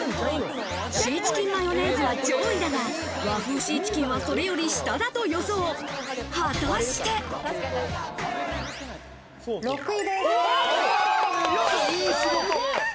シーチキンマヨネーズは上位だが、和風シーチキンは、それより６位です。